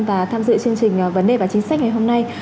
và tham dự chương trình vấn đề và chính sách ngày hôm nay